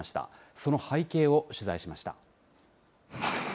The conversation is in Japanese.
その背景を取材しました。